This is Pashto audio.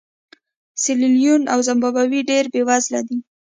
سیریلیون او زیمبابوې ډېر بېوزله دي.